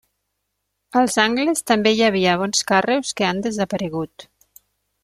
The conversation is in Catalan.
Als angles també hi havia bons carreus que han desaparegut.